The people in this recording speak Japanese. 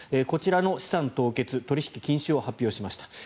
こちらの資産凍結、取引禁止を発表しました。